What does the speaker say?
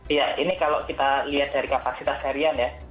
iya ini kalau kita lihat dari kapasitas harian ya